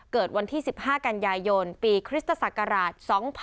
เกิดวันที่๑๕กันยายนปีคริสตศักราช๒๕๖๒